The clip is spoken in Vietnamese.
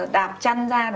đạp chân ra